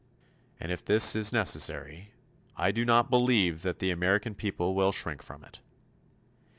And if this is necessary, I do not believe that the American people will shrink from it.